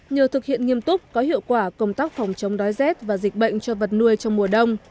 nhờ thực hiện nghiêm túc có hiệu quả công tác phòng chống đói rét và dịch bệnh cho vật nuôi trong mùa đông